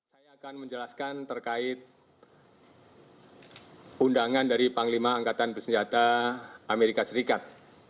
saya akan menjelaskan terkait undangan dari panglima angkatan bersenjata amerika serikat